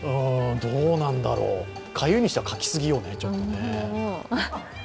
どうなんだろう、かゆいにしてはかきすぎよね。